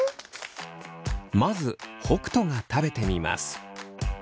まず北斗が食べてみます。